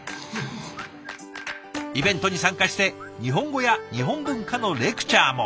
イベントに参加して日本語や日本文化のレクチャーも。